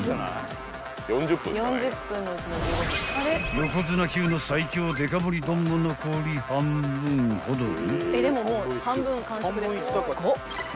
［横綱級の最強デカ盛り丼も残り半分ほどに］